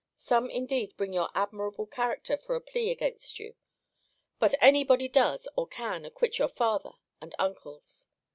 Some indeed bring your admirable character for a plea against you: but nobody does, or can, acquit your father and uncles.